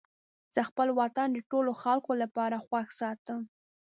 زه خپل وطن د ټولو خلکو لپاره خوښ ساتم.